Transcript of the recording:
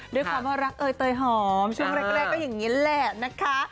ด้วยความว่ารักเอยเตยหอมช่วงแรกก็อย่างนี้แหละนะคะ